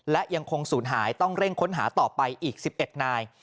และยังคงศูนย์หายต้องเร่งค้นหาต่อไปอีก๑๑นาย